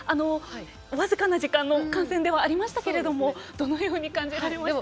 僅かな時間の観戦ではありましたがどのように感じられましたか。